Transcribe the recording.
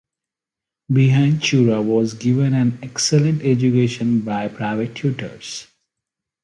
Buenaventura was given an excellent education by private tutors.